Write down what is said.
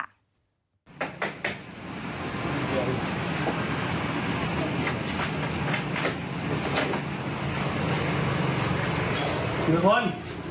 ทุกคน